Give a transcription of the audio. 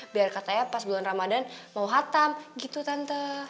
biar katanya pas bulan ramadhan mau hatam gitu tante